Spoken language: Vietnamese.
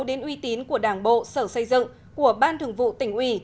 đến uy tín của đảng bộ sở xây dựng của ban thường vụ tỉnh ủy